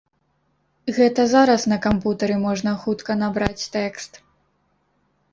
Гэта зараз на кампутары можна хутка набраць тэкст.